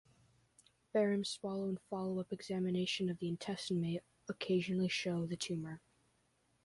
Barium swallow and follow-up examination of the intestine may occasionally show the tumor.